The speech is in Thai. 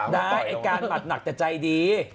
ได้ไอ้การหมัดหนักแต่ใจดี